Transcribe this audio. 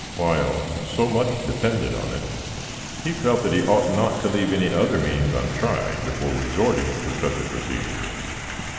While so much depended on it, he felt that he ought not to leave any other means untried before resorting to such a procedure.